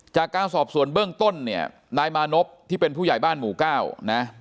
จากการสอบส่วนเบื้องต้นเนี่ยนายมานพที่เป็นผู้ใหญ่บ้านหมู่เก้านะ